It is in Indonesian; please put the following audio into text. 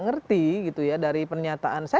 ngerti dari pernyataan